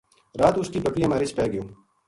رات اس کی بکریاں ما رِچھ پے گیو